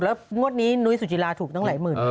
แล้วงวดนี้นุ้ยสุจิลาถูกตั้งหลายหมื่น